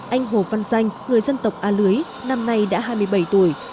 anh hồ văn danh người dân tộc a lưới năm nay đã hai mươi bảy tuổi